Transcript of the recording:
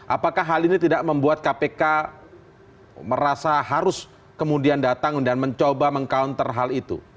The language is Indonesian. apakah hal ini tidak membuat kpk merasa harus kemudian datang dan mencoba meng counter hal itu